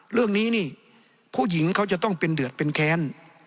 เรื่องนี้นี่ผู้หญิงเขาจะต้องเป็นเดือดเป็นแค้น